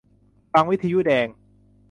ฟังวิทยุแดง